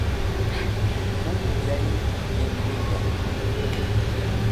Kum jay yem yunden?